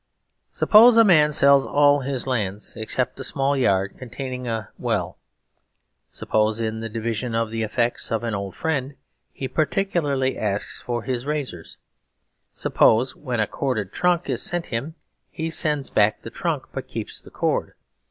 Suppose a man sells all his lands except a small yard containing a well; suppose in the division of the effects of an old friend he particularly asks for his razors; suppose when a corded trunk is sent him he sends back the trunk, but keeps the cord.